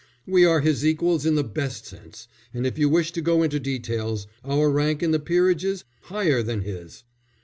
"We are his equals in the best sense; and if you wish to go into details, our rank in the peerage is higher than his."